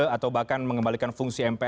atau bahkan mengembalikan fungsi mp tiga